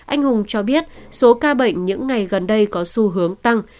anh hùng cho biết số ca bệnh những ngày gần đây có xu hướng tăng